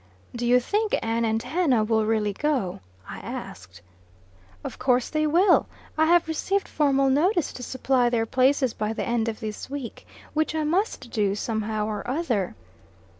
"Do you think Ann and Hannah will really go?" I asked. "Of course they will. I have received formal notice to supply their places by the end of this week, which I must do, somehow or other."